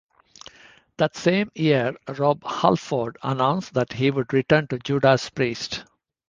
That same year Rob Halford announced that he would return to Judas Priest.